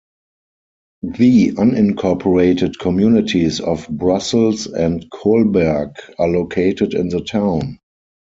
The unincorporated communities of Brussels and Kolberg are located in the town.